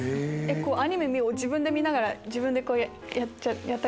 アニメ自分で見ながら自分でこうやったり？